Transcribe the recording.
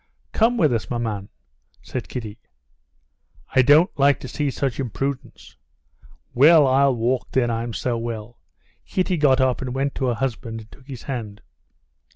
"Come with us, maman," said Kitty. "I don't like to see such imprudence." "Well, I'll walk then, I'm so well." Kitty got up and went to her husband and took his hand.